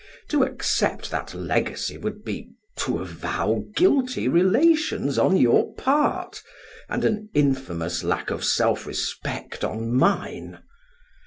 To accept that legacy would be to avow guilty relations on your part and an infamous lack of self respect on mine.